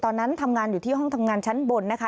ตอนนั้นทำงานอยู่ที่ห้องทำงานชั้นบนนะคะ